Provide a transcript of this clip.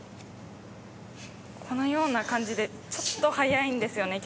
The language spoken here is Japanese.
このような感じでちょっと速いんですよね